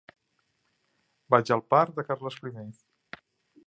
Vaig al parc de Carles I.